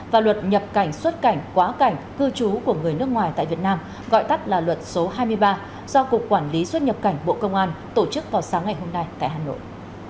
và luật nhập cảnh xuất cảnh quá cảnh cư trú của người nước ngoài tại việt nam gọi tắt là luật số hai mươi ba do cục quản lý xuất nhập cảnh bộ công an tổ chức vào sáng ngày hôm nay tại hà nội